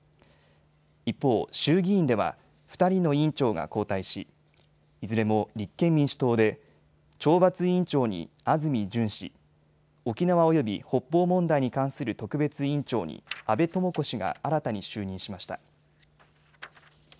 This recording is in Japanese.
一方、衆議院では２人の委員長が交代しいずれも立憲民主党で懲罰委員長に安住淳氏、沖縄及び北方問題に関する特別委員長に阿部知子氏が新たに就任しました。